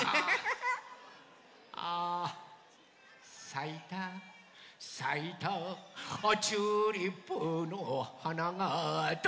「さいたさいたチューリップのはなが」と。